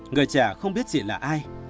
người trẻ không biết chị là ai